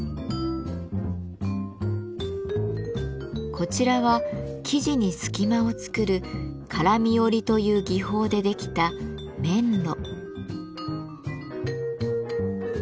こちらは生地に隙間を作る「からみ織」という技法でできた「綿絽」。